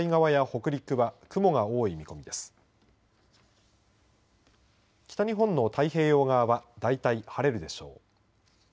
北日本の太平洋側は大体、晴れるでしょう。